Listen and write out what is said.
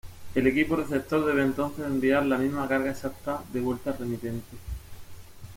El equipo receptor debe entonces enviar la misma carga exacta de vuelta al remitente.